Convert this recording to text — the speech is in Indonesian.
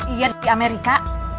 iya di amerika